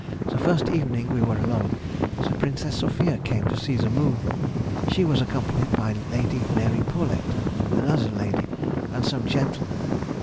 The first evening we were alone, the Princess Sophia came to see the moon. She was accompanied by Lady Mary Paulet, another lady, and some gentlemen.